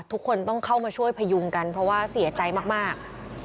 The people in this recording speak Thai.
ทุกคนต้องเข้ามาช่วยพยุงกันเพราะว่าเสียใจมาก